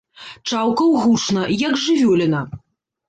Чаўкаў гучна, як жывёліна.